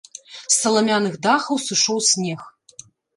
З саламяных дахаў сышоў снег.